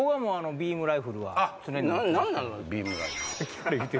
ビームライフルって。